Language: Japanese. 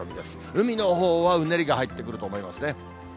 海のほうはうねりが入ってくると思いますね。